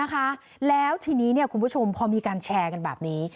คนแชร์กันแบบนี้